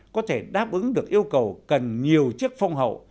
có thể đáp ứng được yêu cầu cần nhiều chiếc phong hậu